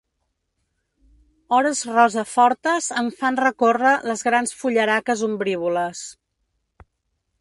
Hores rosa fortes em fan recórrer les grans fullaraques ombrívoles.